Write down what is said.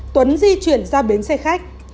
tuấn di chuyển ra bến xe khách